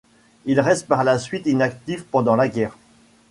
Il reste par la suite inactif pendant la guerre.